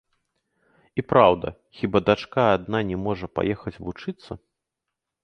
І праўда, хіба дачка адна не можа паехаць вучыцца?